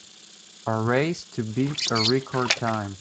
A race to beat a record time.